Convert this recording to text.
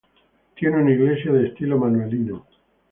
Tiene una iglesia de estilo manuelino.